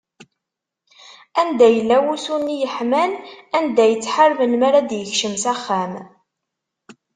Anda yella wusu-nni yeḥman, anda yettḥar melmi ara d-yekcem s axxam?